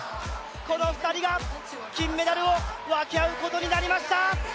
この２人が金メダルを分け合うことになりました。